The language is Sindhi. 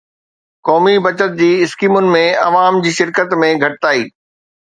قومي بچت جي اسڪيمن ۾ عوام جي شرڪت ۾ گهٽتائي